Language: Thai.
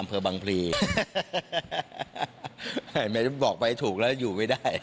อำเภอบังพลีเห็นไหมบอกไปถูกแล้วอยู่ไม่ได้